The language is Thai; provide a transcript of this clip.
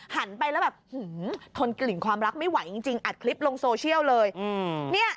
หันไปแล้วแบบทนกลิ่นความรักไม่ไหวจริงอัดคลิปลงโซเชียลเลย